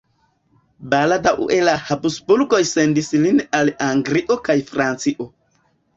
Baldaŭe la Habsburgoj sendis lin al Anglio kaj Francio.